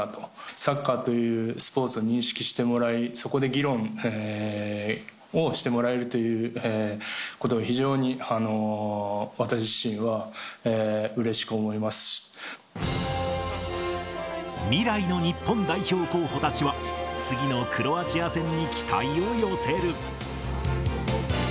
サッカーというスポーツを認識してもらい、そこで議論をしてもらえるということを、非常に私自身はうれしく未来の日本代表候補たちは、次のクロアチア戦に期待を寄せる。